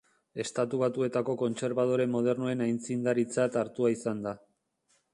Estatu Batuetako kontserbadore modernoen aitzindaritzat hartua izan da.